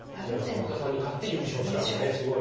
井山裕太さんに勝って優勝したのすごい。